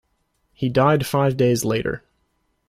He died five days later.